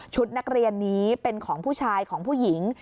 นักเรียนนี้เป็นของผู้ชายของผู้หญิง